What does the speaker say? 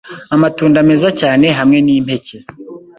amatunda meza cyane hamwe n’impeke,